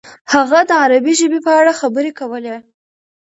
هغه د عربي ژبې په اړه خبرې کولې.